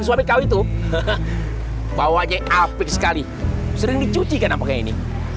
suami kau itu bawa aja apik sekali sering dicuci kan apa kayak gini